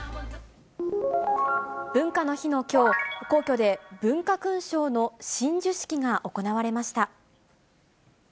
文化の日のきょう、皇居で文化勲章の親授式が行われました。